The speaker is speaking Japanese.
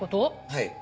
はい。